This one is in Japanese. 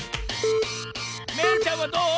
めいちゃんはどう？